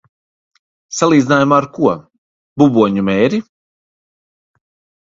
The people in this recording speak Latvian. Salīdzinājumā ar ko? Buboņu mēri?